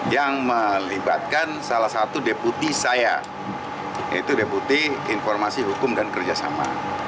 yang melibatkan salah satu deputi saya yaitu deputi informasi hukum dan kerjasama